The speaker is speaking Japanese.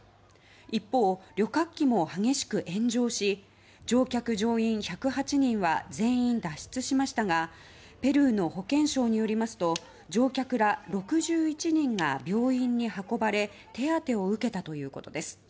一方、旅客機も激しく炎上し乗客・乗員１０８人は全員脱出しましたがペルーの保健省によりますと乗客ら６１人が病院に運ばれ手当てを受けたということです。